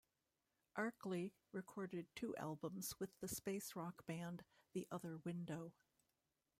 Arkley recorded two albums with the space rock band The Other Window.